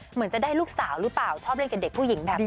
เหมือนจะได้ลูกสาวหรือเปล่าชอบเล่นกับเด็กผู้หญิงแบบนี้